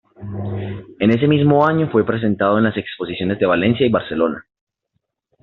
En ese mismo año fue presentado en las exposiciones de Valencia y Barcelona.